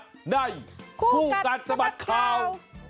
คู่กันสะบัดข่าวคู่กันสะบัดข่าว